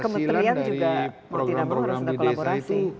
keberhasilan dari program program di desa itu